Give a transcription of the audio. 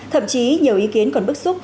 thậm chí nhiều ý kiến còn bức xúc